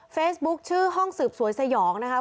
เฟซบุ๊คชื่อห้องสืบสวนสยองนะคะ